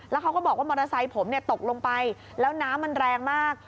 แล้วเขาก็บอกว่ามรสัยผมเนี่ยตกลงไปแล้วน้ำมันแรงมาก